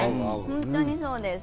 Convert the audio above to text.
本当にそうです。